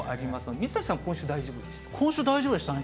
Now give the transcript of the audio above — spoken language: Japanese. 水谷さん、今週大丈夫でしたね。